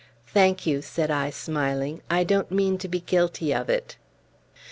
"Thank you," said I, smiling; "I don't mean to be guilty of it."